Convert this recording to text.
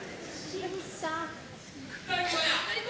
新さん。